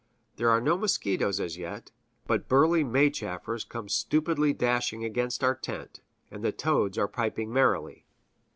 There are no mosquitoes as yet, but burly May chafers come stupidly dashing against our tent, and the toads are piping merrily.